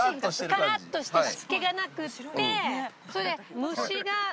カラッとして湿気がなくってそれで。